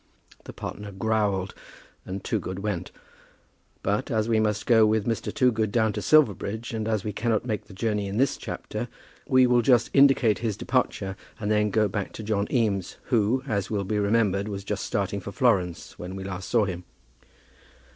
The partner growled, and Toogood went. But as we must go with Mr. Toogood down to Silverbridge, and as we cannot make the journey in this chapter, we will just indicate his departure and then go back to John Eames, who, as will be remembered, was just starting for Florence when we last saw him.